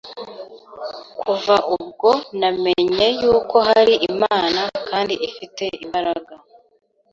Kuva ubwo namenye yuko hari Imana, kandi ifite imbaraga.